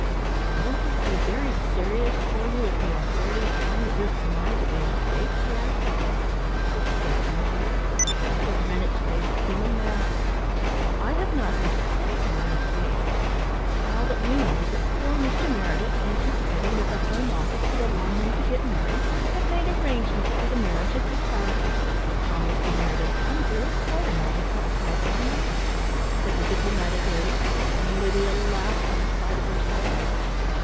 "Won't this be very serious for you, if the authorities find that you have connived at the escape?" she asked. "Escape, my dear?" Mrs. Rennett's face became a mask. "I have not heard anything of an escape. All that we know is that poor Mr. Meredith, anticipating that the Home Office would allow him to get married, had made arrangements for the marriage at this house. How Mr. Meredith comes here is quite a matter outside our knowledge," said the diplomatic lady, and Lydia laughed in spite of herself.